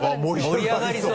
盛り上がりそう。